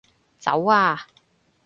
走啊